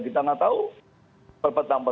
kita gak tau